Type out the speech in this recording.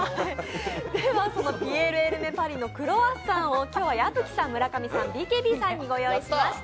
ではそのピエール・エルメ・パリのクロワッサンを今日は矢吹さん、村上さん、ＢＫＢさんにご用意しました。